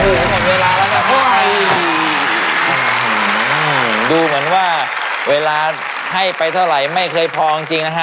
โอ้ยดูเหมือนว่าเวลาให้ไปเท่าไหร่ไม่เคยพอจริงจริงนะฮะ